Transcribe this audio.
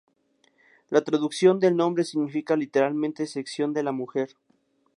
La traducción del nombre significa literalmente "Sección de la Mujer".